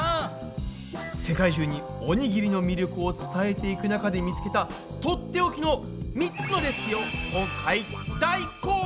世界中におにぎりの魅力を伝えていく中で見つけたとっておきの３つのレシピを今回大公開してくれます！